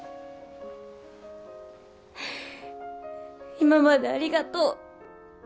今までありがとう。